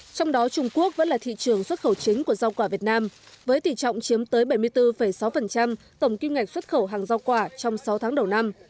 trong đó trung quốc vẫn là thị trường xuất khẩu chính của rau quả việt nam với tỷ trọng chiếm tới bảy mươi bốn sáu tổng kim ngạch xuất khẩu hàng giao quả trong sáu tháng đầu năm